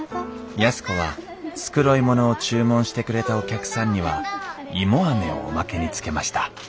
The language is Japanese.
安子は繕い物を注文してくれたお客さんには芋アメをおまけにつけました